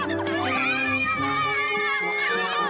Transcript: aku mau ini dah